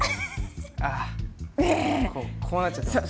あっこうなっちゃってました。